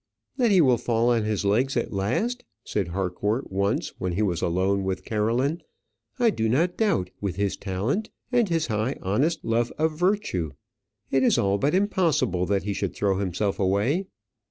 "That he will fall on his legs at last," said Harcourt once when he was alone with Caroline, "I do not doubt; with his talent, and his high, honest love of virtue, it is all but impossible that he should throw himself away.